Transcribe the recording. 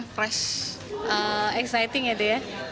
fresh exciting ya dia